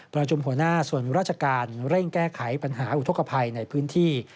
หัวหน้าส่วนราชการเร่งแก้ไขปัญหาอุทธกภัยในพื้นที่